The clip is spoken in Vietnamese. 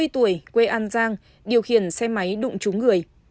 bốn mươi tuổi quê an giang điều khiển xe máy đụng chúng người